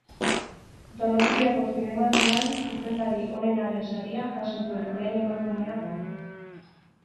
Donostiako Zinemaldian zuzendari onenaren saria jaso duen lehen emakumea da.